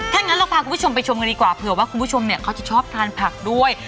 ถ้างั้นเราพาคุณผู้ชมไปชมกันดีกว่าเผื่อว่าคุณผู้ชมเนี่ยเขาจะชอบทานผักด้วย